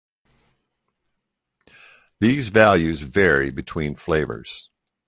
These values vary between flavours.